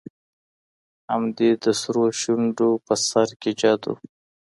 هم دي د سرو شونډو په سر كي جـادو